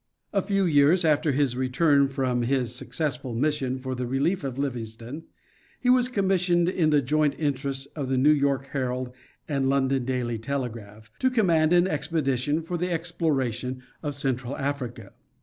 A few years after his return from his successful mission for the relief of Livingstone, he was commissioned in the joint interests of the New York Herald and London Daily Telegraph, to command an expedition for the exploration of central Africa.